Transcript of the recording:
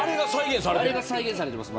あれが再現されています。